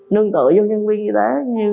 nương tựa vô nhân viên như thế